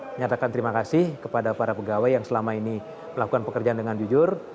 menyatakan terima kasih kepada para pegawai yang selama ini melakukan pekerjaan dengan jujur